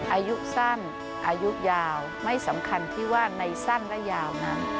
อายุสั้นอายุยาวไม่สำคัญที่ว่าในสั้นและยาวนั้น